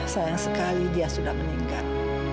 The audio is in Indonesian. sayang sekali dia sudah meninggal